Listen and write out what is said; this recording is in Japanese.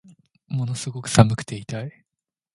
ものすごく寒くて痛い